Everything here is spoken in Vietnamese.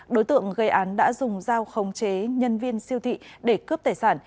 đối tượng gây án đã dùng dao khống chế nhân viên siêu thị để cướp tài sản